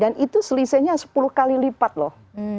dan itu selisihnya sepuluh kali lipat loh